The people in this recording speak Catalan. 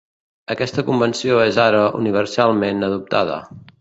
Aquesta convenció és ara universalment adoptada.